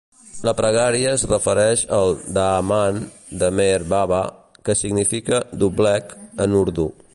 La pregària es refereix al "daaman" de Meher Baba, que significa "doblec" en urdú.